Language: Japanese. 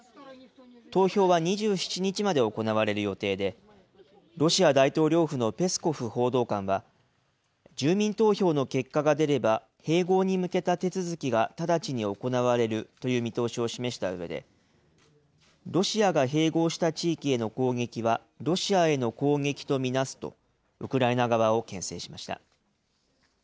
投票は２７日まで行われる予定で、ロシア大統領府のペスコフ報道官は、住民投票の結果が出れば、併合に向けた手続きが直ちに行われるという見通しを示したうえで、ロシアが併合した地域への攻撃は、ロシアへの攻撃と見なすと、ウクライナ側をけん制しました。